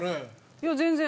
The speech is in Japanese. いや全然。